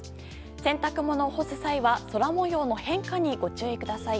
洗濯物を干す際は空模様の変化にご注意ください。